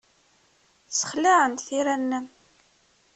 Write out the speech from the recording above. Ssexlaɛent tira-nnem.